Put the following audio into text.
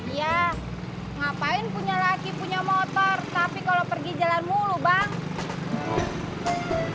ya ngapain punya laki punya motor tapi kalau pergi jalan mulu bang